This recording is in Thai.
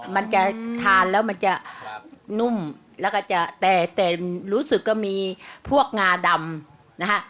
มันจะทานแล้วมันจะนุ่มแล้วก็จะแต่แต่รู้สึกว่ามีพวกงาดำนะฮะ